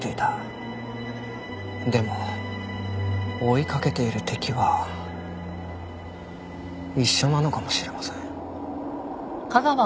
でも追いかけている敵は一緒なのかもしれません。